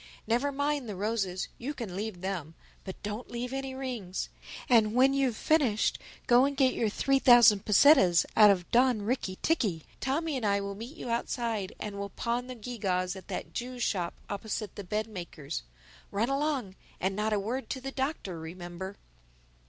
Never mind the roses—you can leave them—but don't leave any rings. And when you've finished go and get your three thousand pesetas out of Don Ricky ticky. Tommy and I will meet you outside and we'll pawn the gew gaws at that Jew's shop opposite the bed maker's. Run along—and not a word to the Doctor, remember."